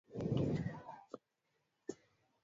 kamati inashughulikia mkakati wa upangaji wa rasilimali